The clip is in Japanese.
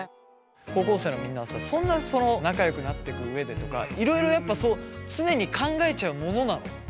高校生のみんなはさそんなその仲良くなってく上でとかいろいろやっぱそう常に考えちゃうものなの？